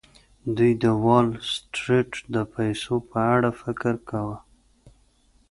دوی د وال سټریټ د پیسو په اړه فکر کاوه